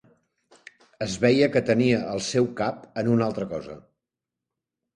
Es veia que tenia el seu cap en altra cosa.